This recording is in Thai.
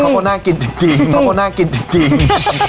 เขาก็น่ากินจริง